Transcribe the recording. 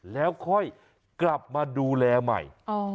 แล้วค่อยกลับมาดูแลใหม่